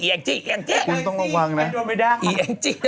ไอ้แองจิ